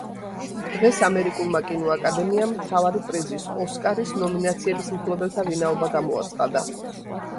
დღეს ამერიკულმა კინო-აკადემიამ მთავარი პრიზის, ოსკარის ნომინაციების მფლობელთა ვინაობა გამოაცხადა.